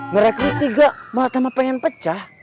merekrut tiga malah sama pengen pecah